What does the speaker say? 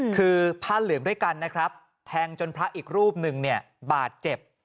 คือผ้าเหลืองด้วยกันนะครับแทงจนพระอีกรูปหนึ่งเนี่ยบาดเจ็บ